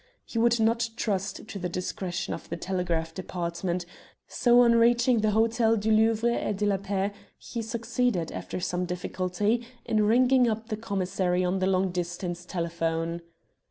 He would not trust to the discretion of the Telegraph Department, so on reaching the Hotel du Louvre et de la Paix he succeeded, after some difficulty, in ringing up the commissary on the long distance telephone.